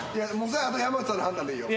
山内さんの判断でいいよ。